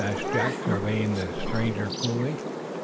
asked Jack, surveying the stranger coolly.